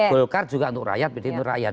golkar juga untuk rakyat pdi untuk rakyat